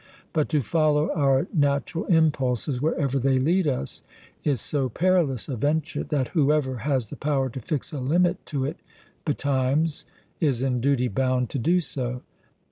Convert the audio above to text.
But to follow our natural impulses wherever they lead us is so perilous a venture, that whoever has the power to fix a limit to it betimes is in duty bound to do so.